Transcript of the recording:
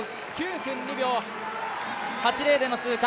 ９分２秒８０での通過。